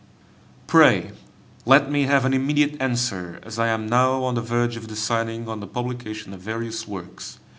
Pray, let me have an immediate answer, as I am now on the verge of deciding on the publication of various works.